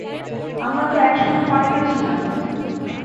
আমরা তো একসময়ে পার্টনার ছিলাম।